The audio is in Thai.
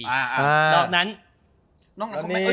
สถิติยังดีอยู่